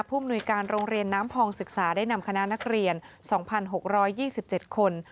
มนุยการโรงเรียนน้ำพองศึกษาได้นำคณะนักเรียน๒๖๒๗คน